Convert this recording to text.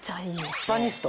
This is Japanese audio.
スパニスト？